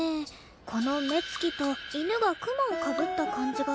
この目つきと犬がクマをかぶった感じが絶妙で。